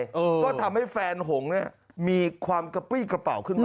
เออก็ทำให้แฟนหงเนี่ยมีความกระปี้กระเป๋าขึ้นมา